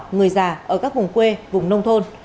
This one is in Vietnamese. người già ở các vùng quê vùng nông thôn